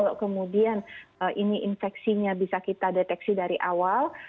kalau kemudian ini infeksinya bisa kita deteksi dari awal